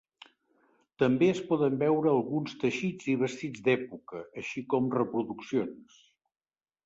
També es poden veure alguns teixits i vestits d'època, així com reproduccions.